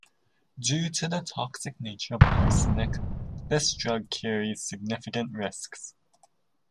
Due to the toxic nature of arsenic, this drug carries significant risks.